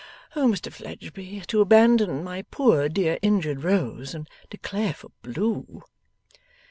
Oh, Mr Fledgeby, to abandon my poor dear injured rose and declare for blue!